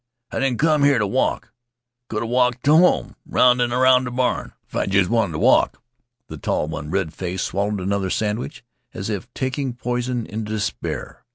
"I didn't come here to walk. I could 'ave walked to home 'round an' 'round the barn, if I jest wanted to walk." The tall one, red faced, swallowed another sandwich as if taking poison in despair.